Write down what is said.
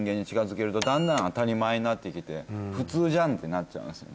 だんだん当たり前になってきて普通じゃんってなっちゃいますよね。